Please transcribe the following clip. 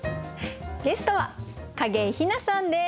ゲストは景井ひなさんです。